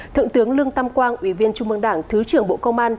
thượng tướng lương tam quang ủy viên trung mương đảng thứ trưởng bộ công an